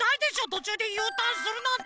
とちゅうでユーターンするなんて。